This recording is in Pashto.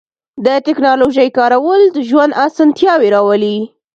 د تکنالوژۍ کارول د ژوند آسانتیاوې راولي.